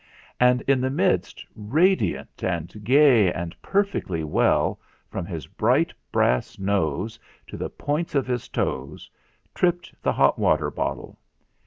And in the midst, radiant and gay and per fectly well, from his bright brass nose to the points of his toes, tripped the hot water bottle.